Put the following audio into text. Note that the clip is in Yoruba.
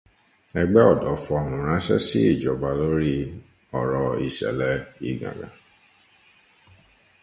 Ẹgbẹ́ ọ̀dọ́ fohùn ránsẹ́ sí ìjọba lórí ọ̀rọ̀ ìsẹ̀lẹ̀ Igàngàn.